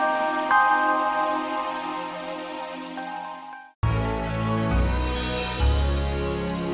nah masih sedikit ketik itu propernya